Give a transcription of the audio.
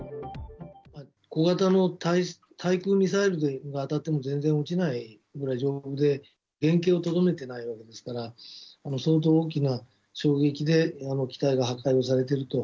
小型の対空ミサイルが当たっても全然落ちないぐらい丈夫で、原形をとどめてないものですから、相当大きな衝撃で、機体が破壊をされていると。